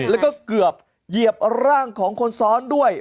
แล้วก็เกือบเหยียบร่างของคนซ้อนด้วย